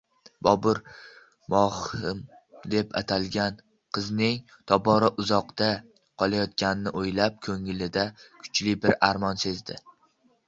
Bobur Mohim deb atalgan qizning tobora uzoqda qolayotganini oʻylab, koʻnglida kuchli bir armon sezdi.